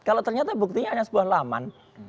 kalau ternyata buktinya ada sebuah laman